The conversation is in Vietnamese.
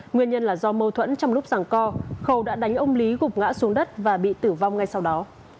nguyên nhân là do mâu thuẫn trong lúc giảng co khâu đã đánh ông lý gục ngã xuống đất và bị tử vong ngay sau đó